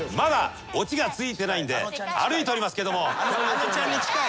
あのちゃんに近い。